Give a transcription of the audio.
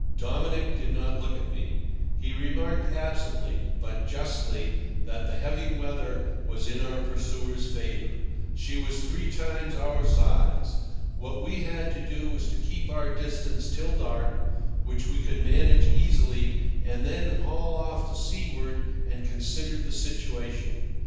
Dominic did not look at me. He remarked absently, but justly, that the heavy weather was in our pursuer's favour. She was three times our size. What we had to do was to keep our distance till dark, which we could manage easily, and then haul off to seaward and consider the situation.